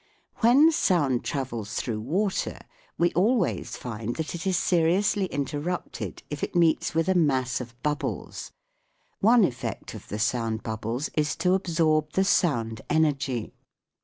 When sound travels through water we always find that it is seriously interrupted if it meets with a mass of bubbles. One effect of the sound bubbles is to absorb the sound energy.